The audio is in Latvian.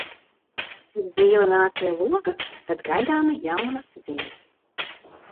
Kad zīle nāk pie loga, tad gaidāma jauna ziņa.